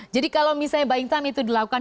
jadi kalau misalnya buying time itu dilakukan